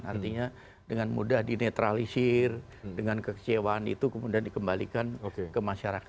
artinya dengan mudah dinetralisir dengan kekecewaan itu kemudian dikembalikan ke masyarakat